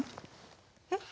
えっ？